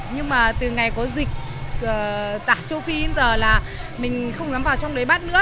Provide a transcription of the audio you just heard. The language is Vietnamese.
nhưng mà từ ngày có dịch tả châu phi đến giờ là mình không dám vào trong đấy bắt nữa